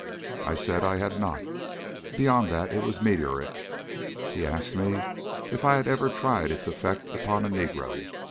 I said I had not, beyond that it was meteoric. He asked me if I had ever tried its effect upon a negro.